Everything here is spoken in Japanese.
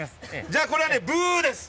じゃあこれはねブーです。